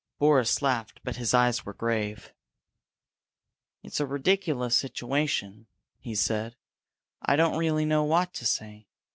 Boris laughed, but his eyes were grave. "It's a ridiculous situation," he said. "I don't really know what to say.